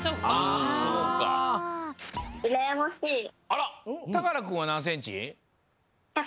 あらたからくんはなんセンチ？